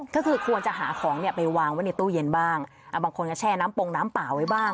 ก็คือควรจะหาของเนี่ยไปวางไว้ในตู้เย็นบ้างบางคนก็แช่น้ำปงน้ำเปล่าไว้บ้าง